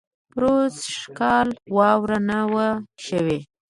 پروسږ کال واؤره نۀ وه شوې